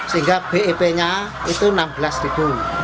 sehingga bip nya itu rp enam belas